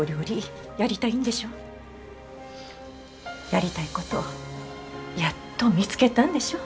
やりたいことやっと見つけたんでしょ？